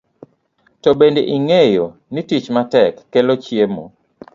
To bende ing'eyo ni tich matek kelo chiemo?